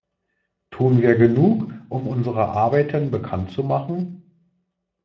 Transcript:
Tun wir genug, um unsere Arbeiten bekanntzumachen?